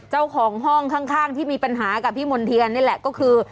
เจ้าของห้องข้างที่มีปัญหากับพี่มณ์เทียนนี่แหละก็คือ